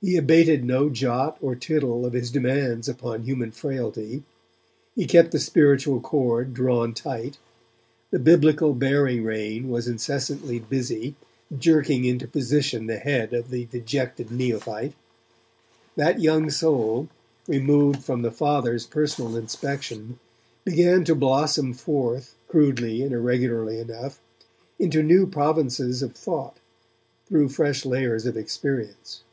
He abated no jot or tittle of his demands upon human frailty. He kept the spiritual cord drawn tight; the Biblical bearing rein was incessantly busy, jerking into position the head of the dejected neophyte. That young soul, removed from the Father's personal inspection, began to blossom forth crudely and irregularly enough, into new provinces of thought, through fresh layers of experience.